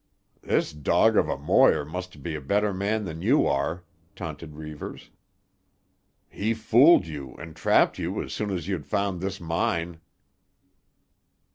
"'This dog of a Moir' must be a better man than you are," taunted Reivers. "He fooled you and trapped you as soon as you'd found this mine."